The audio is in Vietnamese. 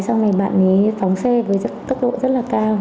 sau này bạn ấy phóng xe với tốc độ rất là cao